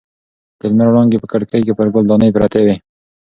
د لمر وړانګې په کړکۍ کې پر ګل دانۍ پرتې وې.